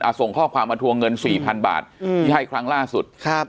ส่งข้อความมาทวงเงินสี่พันบาทอืมที่ให้ครั้งล่าสุดครับ